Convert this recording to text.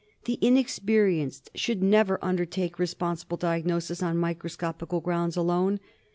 The inexperienced should never undertake responsible diagnosis on microscopical grounds alone.